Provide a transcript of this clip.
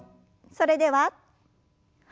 それでははい。